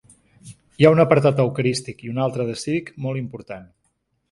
Hi ha un apartat eucarístic i un altre de cívic molt important.